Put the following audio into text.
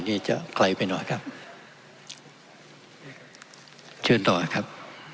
นี่จะไกลไปหน่อยครับเชิญต่อครับ